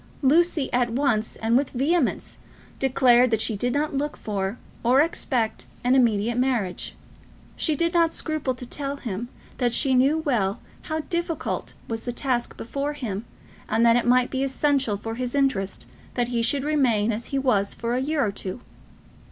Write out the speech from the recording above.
Lucy at once and with vehemence declared that she did not look for or expect an immediate marriage. She did not scruple to tell him that she knew well how difficult was the task before him, and that it might be essential for his interest that he should remain as he was for a year or two.